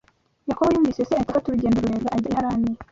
Yakobo yumviye se, ahita afata urugendo rurerure ajya i Harani